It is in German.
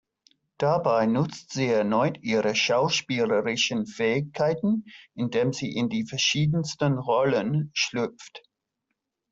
Dabei nutzt sie erneut ihre schauspielerischen Fähigkeiten, indem sie in die verschiedensten Rollen schlüpft.